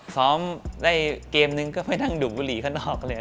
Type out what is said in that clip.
ซ้อมได้เกมหนึ่งก็ไม่นั่งดุบุหลี่ข้างนอก